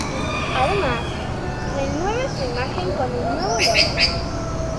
Además, renueva su imagen con un nuevo logo.